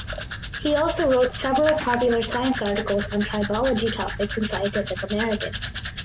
He also wrote several popular science articles on tribology topics in Scientific American.